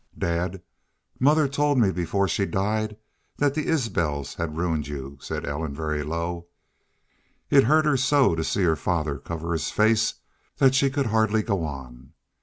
"Dad, mother told me before she died that the Isbels had ruined you," said Ellen, very low. It hurt her so to see her father cover his face that she could hardly go on.